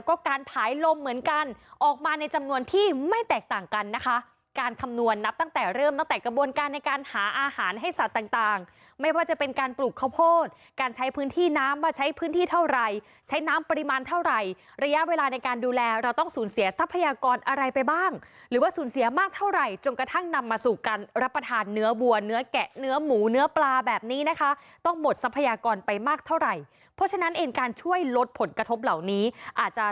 ก็การผายลมเหมือนกันออกมาในจำนวนที่ไม่แตกต่างกันนะคะการคำนวณนับตั้งแต่เริ่มตั้งแต่กระบวนการในการหาอาหารให้สัตว์ต่างไม่ว่าจะเป็นการปลูกข้าวโพดการใช้พื้นที่น้ำว่าใช้พื้นที่เท่าไหร่ใช้น้ำปริมาณเท่าไหร่ระยะเวลาในการดูแลเราต้องสูญเสียทรัพยากรอะไรไปบ้างหรือว่าสูญเสียมากเท่าไหร่